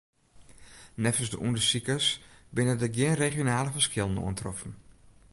Neffens de ûndersikers binne der gjin regionale ferskillen oantroffen.